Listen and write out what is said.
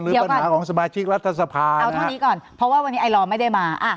ปัญหาของสมาชิกรัฐสภาเอาเท่านี้ก่อนเพราะว่าวันนี้ไอลอร์ไม่ได้มา